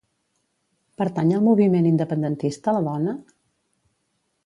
Pertany al moviment independentista la Dona?